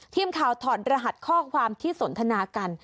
ทีมข่าวถอดรหัสข้อความที่สนทนากัน